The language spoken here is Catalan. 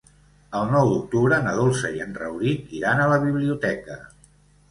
El nou d'octubre na Dolça i en Rauric iran a la biblioteca.